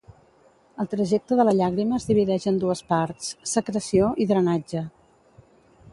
El trajecte de la llàgrima es divideix en dues parts: secreció i drenatge.